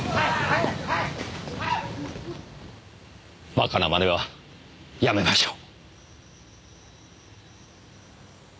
バカなまねはやめましょう。